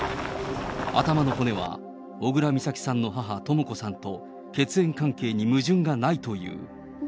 頭の骨は小倉美咲さんの母、とも子さんと血縁関係に矛盾がないという。